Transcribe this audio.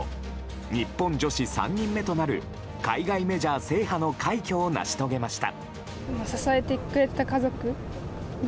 日本女子３人目となる海外メジャー制覇の快挙を成し遂げました。